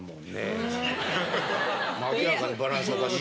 明らかにバランスおかしい。